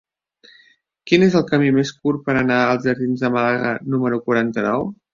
Quin és el camí més curt per anar als jardins de Màlaga número quaranta-nou?